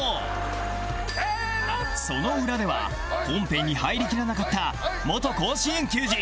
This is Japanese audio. その裏では本編に入りきらなかった元甲子園球児